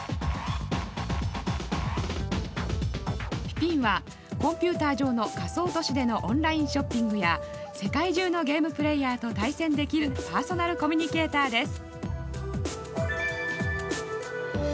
ピピンはコンピューター上の仮想都市でのオンラインショッピングや世界中のゲームプレーヤーと対戦できるパーソナルコミュニケーターです。